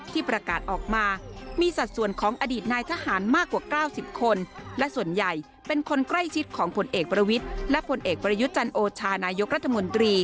ติดตามจากรายงานครับ